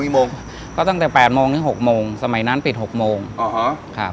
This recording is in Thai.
โมงก็ตั้งแต่แปดโมงถึง๖โมงสมัยนั้นปิดหกโมงอ๋อเหรอครับ